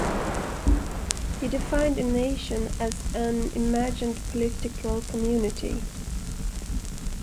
He defined a nation as "an imagined political community".